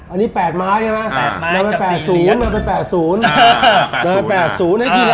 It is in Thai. อันนี้พวกเขาเป็น๘น้ำมัย